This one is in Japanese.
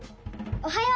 おはよう！